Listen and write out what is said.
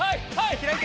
開いて！